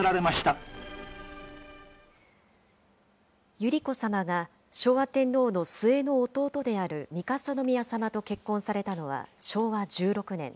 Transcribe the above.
百合子さまが昭和天皇の末の弟である三笠宮さまと結婚されたのは昭和１６年。